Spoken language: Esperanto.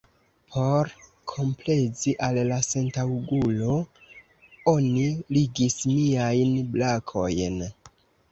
Por komplezi al la sentaŭgulo, oni ligis miajn brakojn.